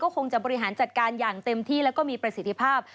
คงจะบริหารจัดการอย่างเต็มที่แล้วก็มีประสิทธิภาพ